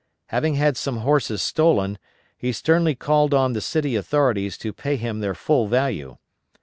Having had some horses stolen, he sternly called on the city authorities to pay him their full value.